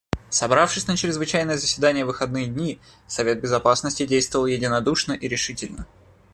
Собравшись на чрезвычайное заседание в выходные дни, Совет Безопасности действовал единодушно и решительно.